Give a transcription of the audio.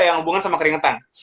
yang hubungan sama keringetan